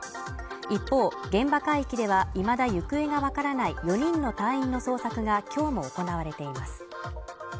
一方、現場海域では、いまだ行方がわからない４人の隊員の捜索が今日も行われています。